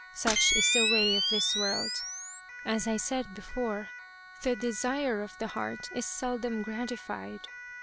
Such is the way of this world. As I said before, the desire of the heart is seldom gratified.